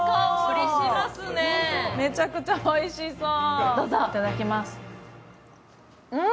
めちゃくちゃおいしそう。